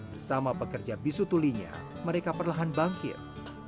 bersama pekerja bisutulinya mereka perlahan bangkit